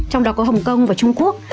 trong đó có hồng kông và trung quốc